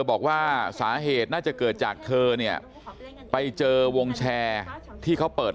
บอกว่าสาเหตุน่าจะเกิดจากเธอเนี่ยไปเจอวงแชร์ที่เขาเปิด